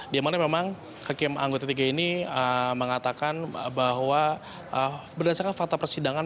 di mana memang hakim anggota tiga ini mengatakan bahwa berdasarkan fakta persidangan